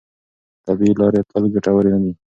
طبیعي لارې تل ګټورې نه دي.